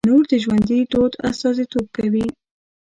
تنور د ژوندي دود استازیتوب کوي